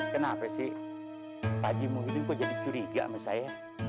kenapa sih pak haji muhyiddin kok jadi curiga sama saya